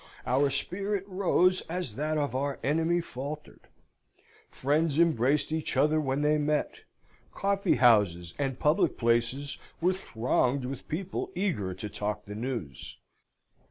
Our spirit rose as that of our enemy faltered. Friends embraced each other when they met. Coffee houses and public places were thronged with people eager to talk the news.